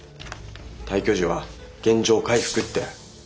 退去時は原状回復って。